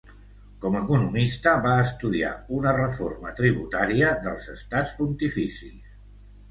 Com economista, va estudiar una reforma tributària dels Estats Pontificis.